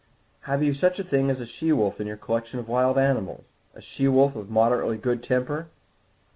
"Have you such a thing as a she wolf in your collection of wild animals? A she wolf of moderately good temper?"